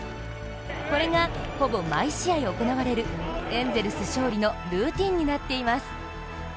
これがほぼ毎試合行われるエンゼルス勝利のルーチンになっています。